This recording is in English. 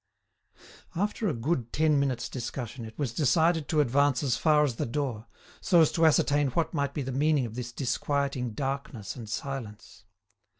After a good ten minutes' discussion, it was decided to advance as far as the door, so as to ascertain what might be the meaning of this disquieting darkness and silence.